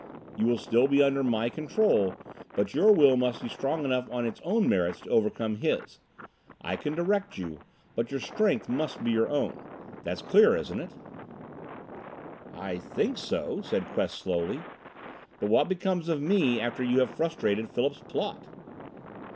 You will still be under my control, but your will must be strong enough on its own merits to overcome his. I can direct you, but your strength must be your own. That's clear, isn't it?" "I think so," said Quest slowly. "But what becomes of me after you have frustrated Philip's plot?"